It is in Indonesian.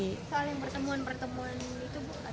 soal yang pertemuan pertemuan itu bu